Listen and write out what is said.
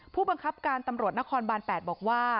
ผู้บังคับการตำรวจนครบาน๘บอกว่า